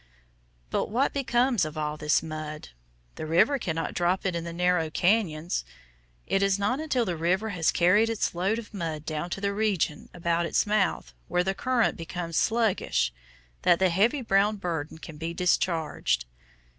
But what becomes of all this mud? The river cannot drop it in the narrow cañons. It is not until the river has carried its load of mud down to the region about its mouth, where the current becomes sluggish, that the heavy brown burden can be discharged.